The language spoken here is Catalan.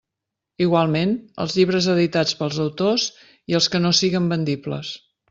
Igualment, els llibres editats pels autors i els que no siguen vendibles.